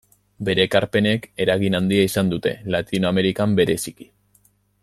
Bere ekarpenek eragin handia izan dute, Latinoamerikan bereziki.